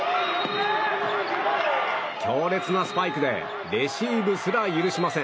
強烈なスパイクでレシーブすら許しません。